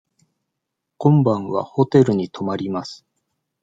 今晩はホテルに泊まります。